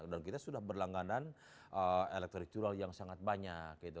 dan kita sudah berlangganan elektro elektro yang sangat banyak